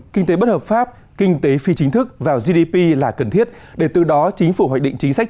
kinh tế bất hợp pháp kinh tế phi chính thức vào gdp là cần thiết để từ đó chính phủ hoạch định chính sách